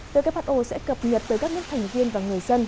who sẽ cập nhật tới các nước thành viên và người dân